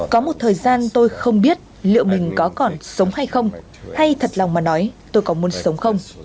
có một thời gian tôi không biết liệu mình có còn sống hay không hay thật lòng mà nói tôi có muốn sống không